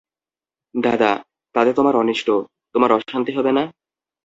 দাদা, তাতে তোমার অনিষ্ট, তোমার অশান্তি হবে না?